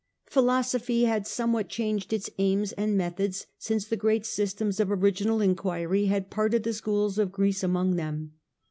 Philosophy had somewhat changed its aims and methods since the great systems of original inquiry had parted the schools of Greece among them.